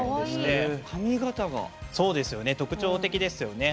髪形が特徴的ですよね。